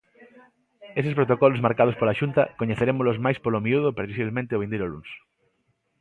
Eses protocolos marcados pola Xunta coñecerémolos máis polo miúdo previsiblemente o vindeiro luns.